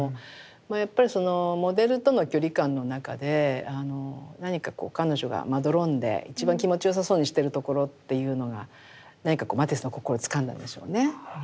まあやっぱりそのモデルとの距離感の中で何かこう彼女がまどろんで一番気持ちよさそうにしてるところっていうのが何かこうマティスの心をつかんだんでしょうね。